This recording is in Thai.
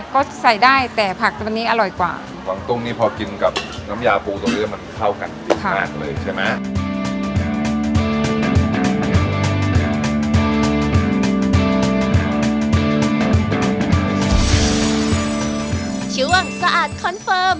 ก็ใส่ได้แต่ผักตัวนี้อร่อยกว่ากวางตุ้งนี่พอกินกับน้ำยาปูตรงนี้มันเข้ากันมากเลยใช่ไหม